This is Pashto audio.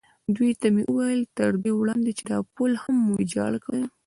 دوی ته مې وویل: تر دې وړاندې چې دا پل هم ویجاړ کړي.